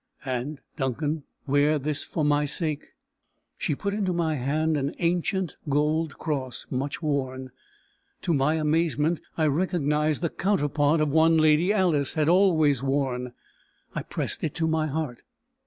And, Duncan, wear this for my sake." She put into my hand an ancient gold cross, much worn. To my amazement I recognised the counterpart of one Lady Alice had always worn. I pressed it to my heart.